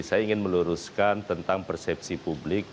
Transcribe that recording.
saya ingin meluruskan tentang persepsi publik